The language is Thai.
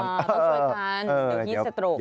ช่วยต้องช่วยและฮิสโตรก